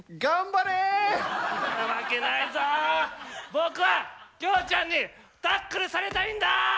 僕は京ちゃんにタックルされたいんだ！